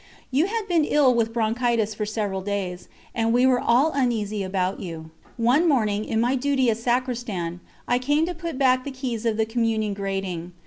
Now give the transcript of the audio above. You had been ill with bronchitis for several days, and we were all uneasy about you. One morning, in my duty as sacristan, I came to put back the keys of the Communion grating.